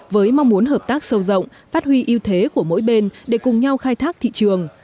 với mong muốn hợp tác sâu rộng phát huy ưu thế của mỗi bên để cùng nhau khai thác thị trường